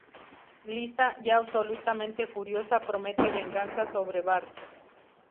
Lisa, ya absolutamente furiosa, promete venganza sobre Bart.